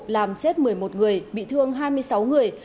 làm chết một mươi một người bị thương hai mươi sáu người